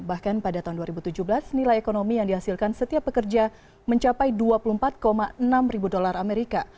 bahkan pada tahun dua ribu tujuh belas nilai ekonomi yang dihasilkan setiap pekerja mencapai dua puluh empat enam ribu dolar amerika